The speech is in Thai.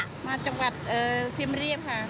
มาจากจังหวัดเซียมเรียบค่ะ